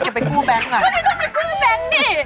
จะไปกู้แบงก์หน่อย